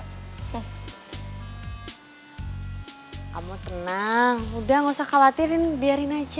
kamu tenang udah gak usah khawatirin biarin aja